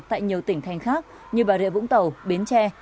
tại nhiều tỉnh thành khác như bà rịa vũng tàu bến tre